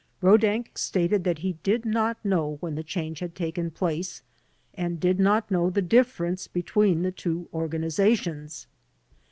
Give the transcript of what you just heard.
Rodak stated that he did not know when the change had taken place and did not know the difference between the two organizations.